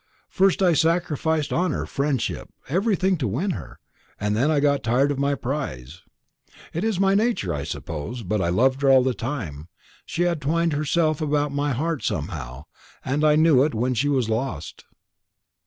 First I sacrificed honour, friendship, everything to win her; and then I got tired of my prize. It is my nature, I suppose; but I loved her all the time; she had twined herself about my heart somehow. I knew it when she was lost."